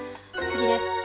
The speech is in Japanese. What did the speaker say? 次です。